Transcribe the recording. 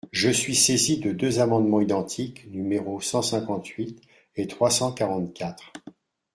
Je suis saisi de deux amendements identiques, numéros cent cinquante-huit et trois cent quarante-quatre.